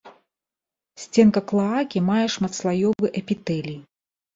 Сценка клаакі мае шматслаёвы эпітэлій.